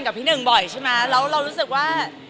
กับพี่หนึ่งบ่อยใช่ไหมแล้วเรารู้สึกว่า